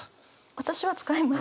私は使います。